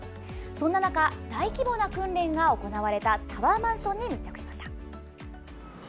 そんな中大規模な訓練が行われたタワーマンションに密着しました。